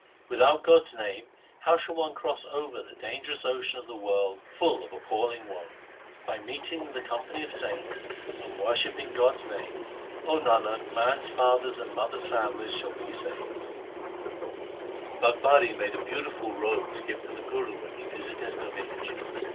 Without God's name how shall one cross over The dangerous ocean of the world full of appalling woe ? By meeting the company of saints, and worshipping God's name, 0 Nanak, man's father's and mother's families shall be saved. 2 Guru Arjan, Sorath. 2 Gauri. LIFE OF GURU HAR GOBIND 61 Bhagbhari made a beautiful robe to give to the Guru when he visited her village.